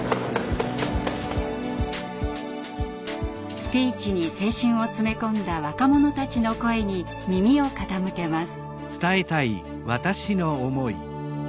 スピーチに青春を詰め込んだ若者たちの声に耳を傾けます。